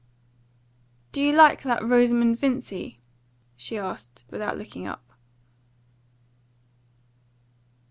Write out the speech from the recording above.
"Do you like that Rosamond Vincy?" she asked, without looking up.